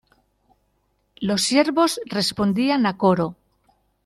los siervos respondían a coro.